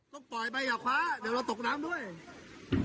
ต้องปล่อยไปอย่าคว้าเดี๋ยวเราตกน้ำด้วย